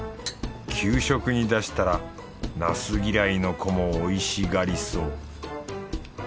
給食に出したらナス嫌いの子もおいしがりそう。